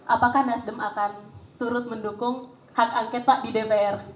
apakah nasdem akan turut mendukung hak angket pak di dpr